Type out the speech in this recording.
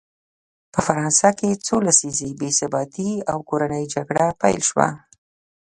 په فرانسه کې څو لسیزې بې ثباتي او کورنۍ جګړه پیل شوه.